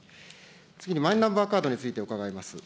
次に、マイナンバーカードについて伺います。